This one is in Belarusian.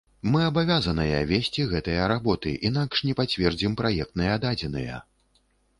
Мы абавязаныя весці гэтыя работы, інакш не пацвердзім праектныя дадзеныя.